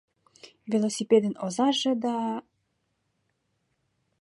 Велосипедын озаже да